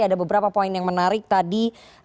ada beberapa poin yang menarik tadi